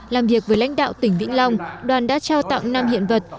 làm việc với lãnh đạo tỉnh vĩnh long đoàn đã trao tặng năm hiện vật